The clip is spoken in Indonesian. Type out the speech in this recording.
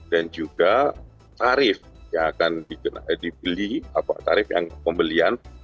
dan juga tarif yang akan dibeli atau tarif pembelian